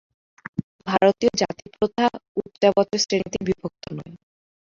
ভারতীয় জাতিপ্রথা উচ্চাবচ শ্রেণীতে বিভক্ত নয়।